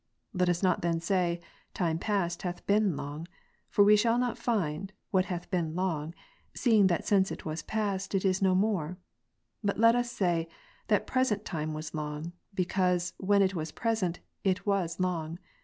Let us not then say, "time past hath been long :" for we shall not find, what hath been long, see ing that since it was past, it is no more; but let us say, "that present time was long;" because, when it was present, it was long.